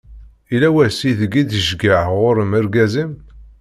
Yella wass ideg d-iceggeɛ ɣur-m urgaz-im?